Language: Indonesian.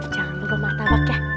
jangan lupa martabak ya